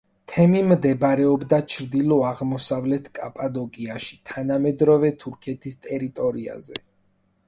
თემი მდებარეობდა ჩრდილო-აღმოსავლეთ კაპადოკიაში, თანამედროვე თურქეთის ტერიტორიაზე.